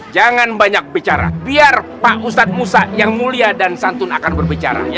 jangan banyak bicara biar pak ustadz musa yang mulia dan santun akan berbicara